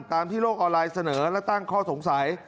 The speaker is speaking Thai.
ที่โลกออนไลน์เสนอและตั้งข้อสงสัย